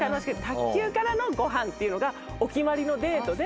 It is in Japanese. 卓球からのご飯というのがお決まりのデートで。